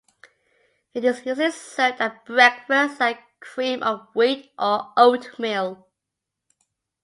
It is usually served at breakfast like cream of wheat or oatmeal.